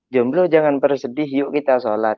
jomblo jangan bersedih yuk kita sholat